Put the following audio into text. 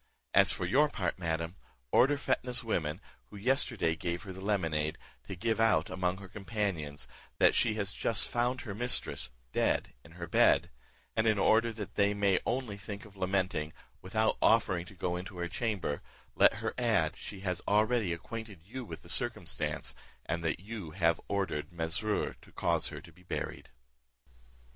As for your part, madam, order Fetnah's woman, who yesterday gave her the lemonade, to give out, among her companions, that she has just found her mistress dead in her bed; and in order that they may only think of lamenting, without offering to go into her chamber, let her add, she has already acquainted you with the circumstance, and that you have ordered Mesrour to cause her to be buried."